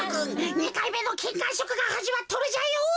２かいめのきんかんしょくがはじまっとるじゃよ。